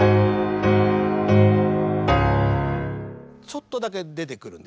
ちょっとだけ出てくるんですよね。